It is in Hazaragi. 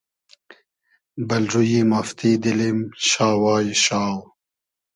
بئل رویی مافتی دیلیم شاوای شاو